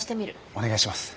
お願いします。